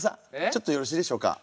ちょっとよろしいでしょうか？